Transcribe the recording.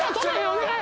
お願い。